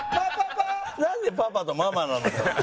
なんでパパとママなのよ。